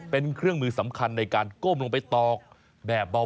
เป็นเครื่องมือสำคัญในการก้มลงไปตอกแบบเบา